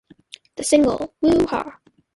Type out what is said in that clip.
The single, Woo Hah!!